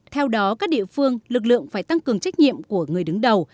theo đó các địa phương lực lượng phải tăng cường trách nhiệm của người đứng đầu